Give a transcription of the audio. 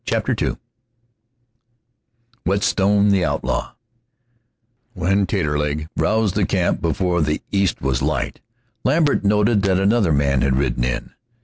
CHAPTER II WHETSTONE, THE OUTLAW When Taterleg roused the camp before the east was light, Lambert noted that another man had ridden in.